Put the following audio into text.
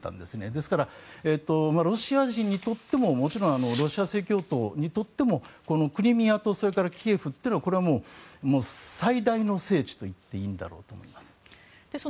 ですから、ロシア人にとってももちろんロシア正教徒にとってもこのクリミアとそれからキエフというのはこれはもう最大の聖地といっていいんだろうと思います。